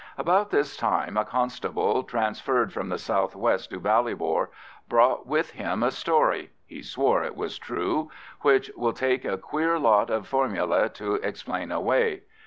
About this time a constable, transferred from the south west to Ballybor, brought with him a story—he swore it was true—which will take a queer lot of formulæ to explain away.